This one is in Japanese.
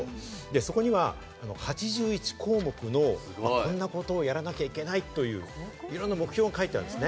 そこには８１項目のこんなことをやらなきゃいけないということ、目標が書いてあるんです。